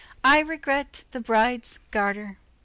I regret the bride's garter.